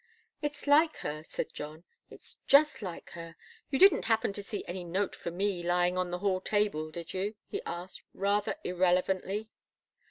"It's like her," said John. "It's just like her. You didn't happen to see any note for me lying on the hall table, did you?" he asked, rather irrelevantly.